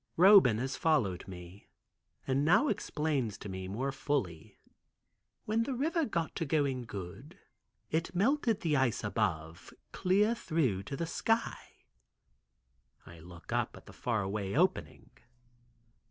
Roban has followed me, and now explains to me more fully. "When the river got to going good, it melted the ice above clear through to the sky." I look up at the faraway opening.